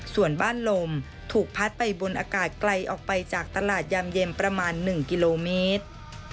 ส่วนบ้านลมถูกพัดไปบนอากาศไกลออกไปจากตลาดยามเย็นประมาณ๑กิโลเมตร